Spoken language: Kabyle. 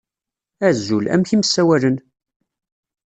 Azul, amek i m-ssawalen?